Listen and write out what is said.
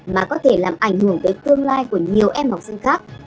mà có thể làm ảnh hưởng tới tương lai của nhiều em học sinh khác